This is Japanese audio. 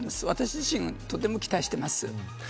私自身、とても期待しています。